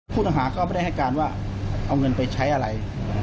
ผู้ต้องหาก็ไม่ได้ให้การว่าเอาเงินไปใช้อะไร